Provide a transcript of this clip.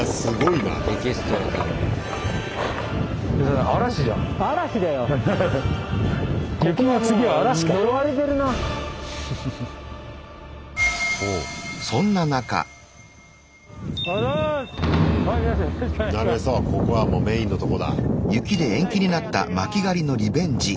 なるへそここはもうメインのとこだ。